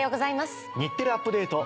『日テレアップＤａｔｅ！』